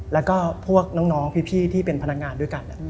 แล้วก็พวกน้องพี่ที่เป็นพนักงานด้วยกัน